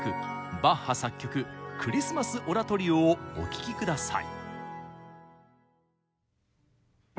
バッハ作曲「クリスマス・オラトリオ」をお聴き下さい。